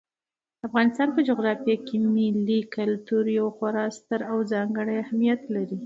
د افغانستان په جغرافیه کې ملي کلتور یو خورا ستر او ځانګړی اهمیت لري.